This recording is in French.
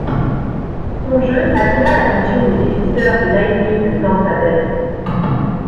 Son jeu attira l'attention des dépisteurs du Lightning de Tampa Bay.